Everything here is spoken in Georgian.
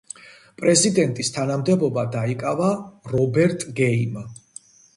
პრეზიდენტის თანამდებობა დაიკავა რობერტ გეიმ.